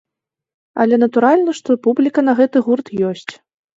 Але натуральна, што публіка на гэты гурт ёсць.